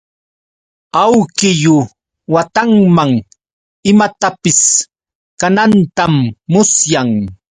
Awkillu watanman imatapis kanantam musyan.